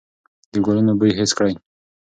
د ګلونو بوی حس کړئ.